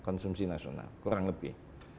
konsumsi nasional kurang lebih